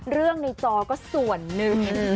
เรื่องในจอก็ส่วนหนึ่ง